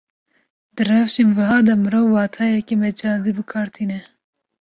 Di rewşên wiha de mirov, wateyeke mecazî bi kar tîne